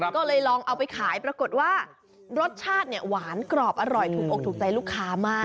ก็เลยลองเอาไปขายปรากฏว่ารสชาติหวานกรอบอร่อยถูกอกถูกใจลูกค้ามาก